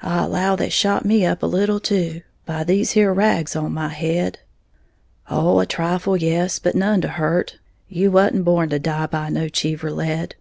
[Illustration: "'I allow they shot me up a little too by these here rags on my head.'"] "Oh, a trifle, yes, but none to hurt, you wa'n't born to die by no Cheever lead."